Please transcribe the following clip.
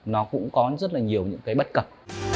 nó cũng có rất là nhiều những cái bất cập